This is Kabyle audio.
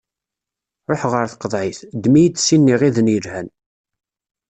Ṛuḥ ɣer tqeḍɛit, ddem-iyi-d sin n iɣiden yelhan.